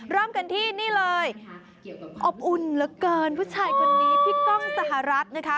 เริ่มกันที่นี่เลยอบอุ่นเหลือเกินผู้ชายคนนี้พี่ก้องสหรัฐนะคะ